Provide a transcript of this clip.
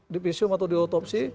di visium atau di otopsi